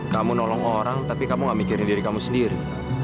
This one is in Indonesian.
kamu nolong orang tapi kamu gak mikirin diri kamu sendiri